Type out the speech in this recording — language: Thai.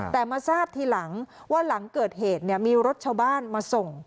แต่มาทราบทีหลังว่าหลังเกิดเหตุมีรถชาวบ้านมาส่ง